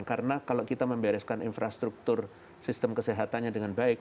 karena kalau kita membereskan infrastruktur sistem kesehatannya dengan baik